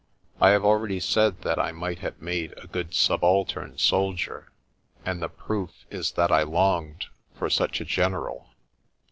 I have already said that I might have made a good subaltern sol dier, and the proof is that I longed for such a general.